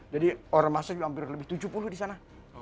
jadi ormasnya juga hampir lebih tujuh puluh di sana